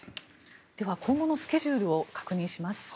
では今後のスケジュールを確認します。